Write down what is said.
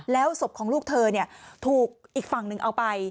แล้วศพของลูกเธอถูกอีกฝั่งหนึ่งเอาไป